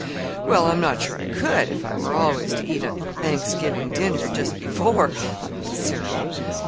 "Well, I'm not sure I could if I were always to eat a Thanksgiving dinner just before," laughed Cyril.